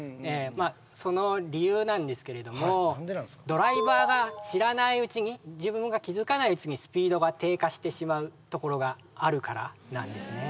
ドライバーが知らないうちに自分が気がつかないうちにスピードが低下してしまうところがあるからなんですね